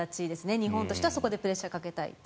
日本としてはそこでプレッシャーをかけたい。